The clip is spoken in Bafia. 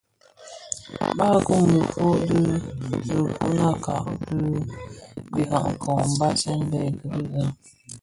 Barkun, dhifom di dhiguňakka di birakong mbasèn bè gil za.